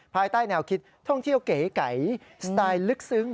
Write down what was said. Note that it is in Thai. ภายใต้แนวคิดท่องเที่ยวเก๋ไก่สไตล์ลึกซึ้ง